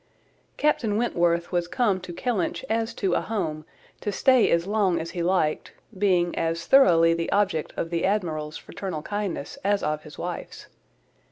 Captain Wentworth was come to Kellynch as to a home, to stay as long as he liked, being as thoroughly the object of the Admiral's fraternal kindness as of his wife's.